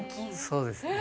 そうですね。